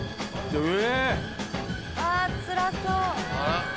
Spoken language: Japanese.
あつらそう。